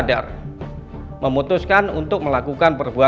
dia sudah berhasil menangani bu elsa